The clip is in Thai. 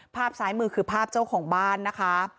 ภาพซ้ายมือคือภาพเจ้าของบ้านนะคะ